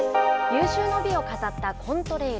有終の美を飾ったコントレイル。